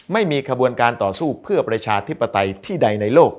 ไม่มีขบวนการต่อสู้เพื่อประชาธิปไตยที่ใดในโลก